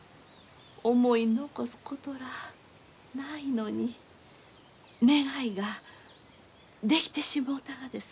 思い残すことらあないのに願いができてしもうたがです。